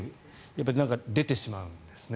なんか出てしまうんですね。